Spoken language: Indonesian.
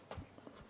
untuk apa dibicarakan